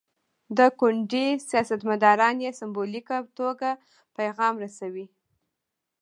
د کونډې سیاستمداران یې سمبولیکه توګه پیغام رسوي.